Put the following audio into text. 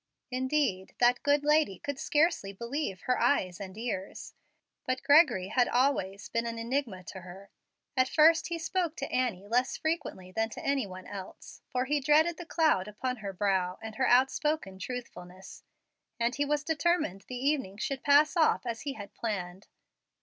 Indeed, that good lady could scarcely believe her eyes and ears; but Gregory had always been an enigma to her. At first he spoke to Annie less frequently than to any one else, for he dreaded the cloud upon her brow and her outspoken truthfulness, and he was determined the evening should pass off as he had planned.